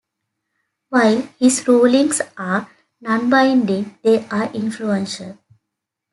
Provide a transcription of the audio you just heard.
While his rulings are nonbinding, they are influential.